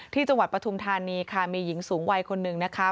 ที่จังหวัดปทุมธานีค่ะมีหญิงสูงวัยคนนึงนะคะ